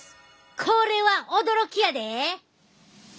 これは驚きやで！